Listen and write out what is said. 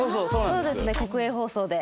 そうですね国営放送で。